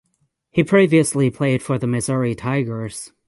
He previously played for the Missouri Tigers.